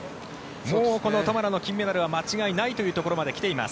もうこのトマラの金メダルは間違いないというところまで来ています。